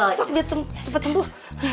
masak biar cepet cembuh